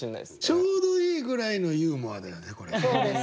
ちょうどいいぐらいのユーモアだよねこれ。